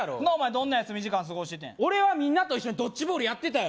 どんな休み時間過ごしててん俺はみんなと一緒にドッジボールやってたよ